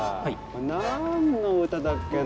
これ何の歌だっけな？